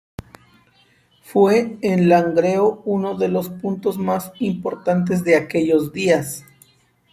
Fue en Langreo, uno de los puntos más importantes de aquellos días.